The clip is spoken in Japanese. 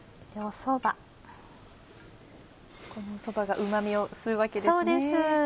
そばがうま味を吸うわけですね。